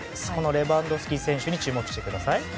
レバンドフスキ選手に注目してください。